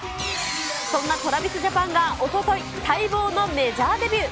そんなトラビスジャパンがおととい、待望のメジャーデビュー。